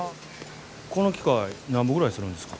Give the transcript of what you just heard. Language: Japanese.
この機械なんぼぐらいするんですか？